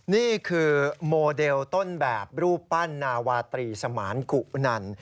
นี่คือโมเดลต้นแบบรูปปั้นนาวาตรีสมานกุนัน